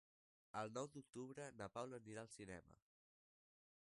El nou d'octubre na Paula anirà al cinema.